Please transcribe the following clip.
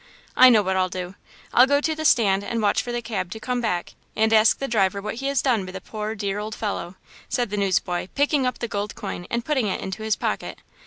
I know what I'll do. I'll go to the stand and watch for the cab to come back and ask the driver what he has done with the poor, dear old fellow!" said the newsboy, picking up the gold coin and putting it into his pocket.